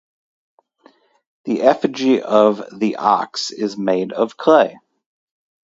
The effigy of the ox is made of clay.